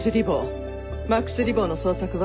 マックス・リボーの捜索は？